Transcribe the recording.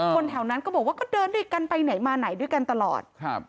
คนแถวนั้นก็บอกว่าก็เดินด้วยกันไปไหนมาไหนด้วยกันตลอดครับ